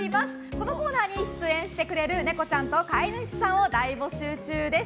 このコーナーに出演してくれるネコちゃんと飼い主さんを大募集中です。